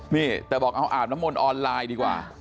นี่แต่บอกเอาอาบน้ำมนต์ออนไลน์ดีกว่า